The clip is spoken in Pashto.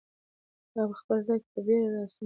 هغه په خپل ځای کې په بیړه را سم شو.